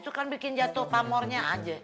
itu kan bikin jatuh pamornya aja